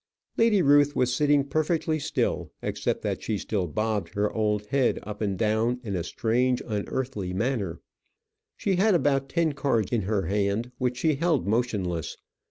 Lady Ruth was sitting perfectly still, except that she still bobbed her old head up and down in a strange unearthly manner. She had about ten cards in her hand which she held motionless.